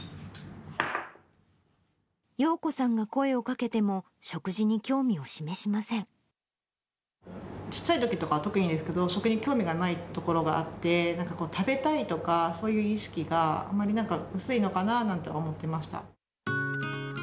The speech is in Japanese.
ようこさんが声をかけても、ちっちゃいときとか、特にですけど、食に興味がないところがあって、なんかこう、食べたいとか、そういう意識があんまりなんか薄いのかななんて思ってました。